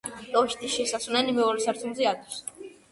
კოშკს შესასვლელი მეორე სართულზე აქვს.